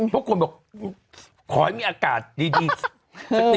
พวกคนบอกขอให้มีอากาศดีสักนิดหนึ่งเถอะ